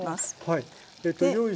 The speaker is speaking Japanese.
はい。